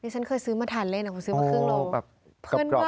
นี่ฉันเคยซื้อมาทันเลยนะผมซื้อมาครึ่งโลก